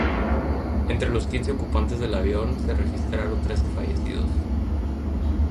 Entre los quince ocupantes del avión, se registraron trece fallecidos.